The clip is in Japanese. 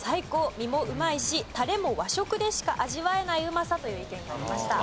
身もうまいしタレも和食でしか味わえないうまさという意見がありました。